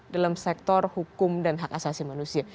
dalam sektor hukum dan hak asasi manusia